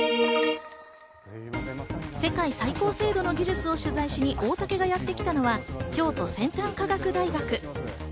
世界最高精度の技術を取材しに大竹がやって来たのは京都先端科学大学。